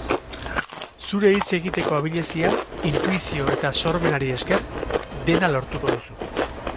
Zure hitz egiteko abilezia, intuizio eta sormenari esker, dena lortuko duzu.